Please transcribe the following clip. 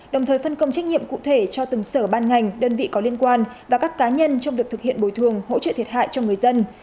đồng thời phân công trách nhiệm cụ thể cho từng sở ban ngành đơn vị có liên quan và các cá nhân trong việc thực hiện bồi thường hỗ trợ thiệt hại cho người dân